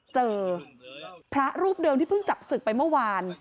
เจอพระรูปเดิมที่เพิ่งจับศึกไปเมื่อวาน